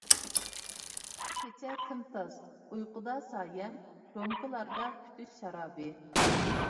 كېچە تىمتاس، ئۇيقۇدا سايەم، رومكىلاردا كۈتۈش شارابى.